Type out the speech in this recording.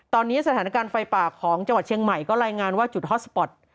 ตอนนี้สถานการณ์ไฟป่าของจังหวัดเชียงใหม่ก็รายงานว่าจุดฮอตสปอร์ต